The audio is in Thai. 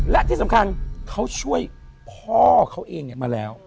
และที่สำคัญเขาช่วยพ่อเขาเองมาแล้ว